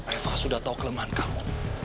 eva sudah tahu kelemahan kamu